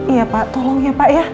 iya pak tolong ya pak ya